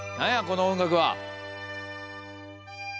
この音楽は。